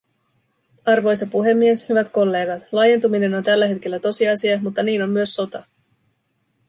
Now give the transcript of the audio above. Arvoisa puhemies, hyvät kollegat, laajentuminen on tällä hetkellä tosiasia, mutta niin on myös sota.